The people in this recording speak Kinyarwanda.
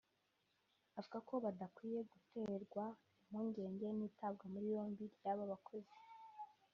avuga ko badakwiye guterwa impungenge n’itabwa muri yombi ry’aba bakozi